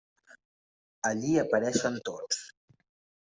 Allí apareixen tots.